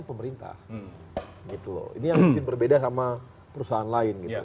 pemerintah ini yang lebih berbeda sama perusahaan lain